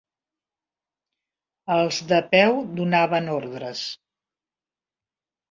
Els de peu donaven ordres